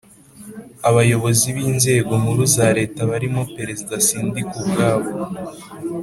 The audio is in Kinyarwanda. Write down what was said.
Abayobozi b inzego nkuru za Leta barimo Perezida Sindikubwabo